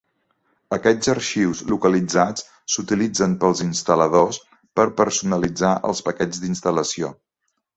Aquests arxius localitzats s'utilitzen pels instal·ladors per personalitzar els paquets d'instal·lació.